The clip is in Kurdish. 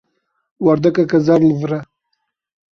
Werdekeke zer li vir e.